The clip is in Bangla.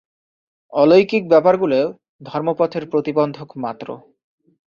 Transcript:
অলৌকিক ব্যাপারগুলি ধর্মপথের প্রতিবন্ধক মাত্র।